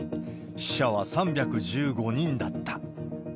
死者は３１５人だった。